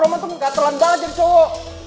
roman tuh kegatelan banget jadi cowok